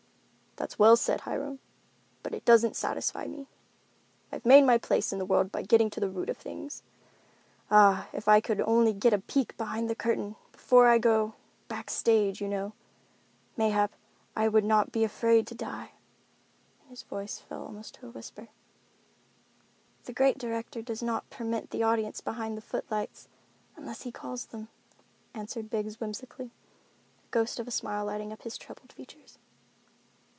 "That's well said, Hiram, but it doesn't satisfy me. I've made my place in the world by getting to the root of things. Ah, if I could only get a peek behind the curtain, before I go—back stage, you know—mayhap I would not be afraid to die," and his voice fell almost to a whisper. "The Great Director does not permit the audience behind the footlights, unless he calls them," answered Biggs whimsically, the ghost of a smile lighting up his troubled features.